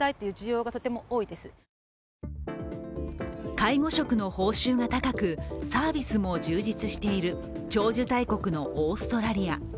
介護職の報酬が宅、サービスも充実している長寿大国のオーストラリア。